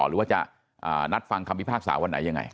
หรือว่าจะนัดฟังคำพิพากษาวันไหนยังไง